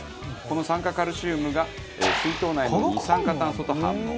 この酸化カルシウムが水筒内の二酸化炭素と反応。